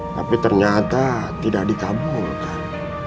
tapi ternyata tidak dikabulkan